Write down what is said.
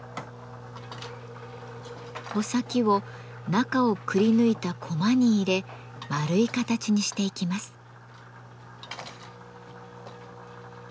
穂先を中をくりぬいたコマに入れ丸い形にしていきます。